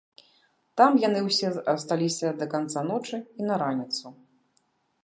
Там яны ўсе асталіся да канца ночы і на раніцу.